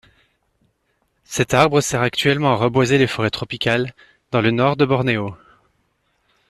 Cet arbre sert actuellement à reboiser les forêts tropicales dans le nord de Bornéo.